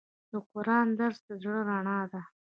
د قرآن درس د زړه رڼا ده.